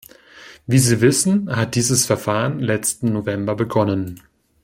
Wie Sie wissen, hat dieses Verfahren letzten November begonnen.